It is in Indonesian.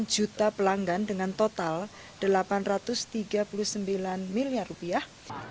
dua puluh juta pelanggan dengan total delapan ratus tiga puluh sembilan miliar rupiah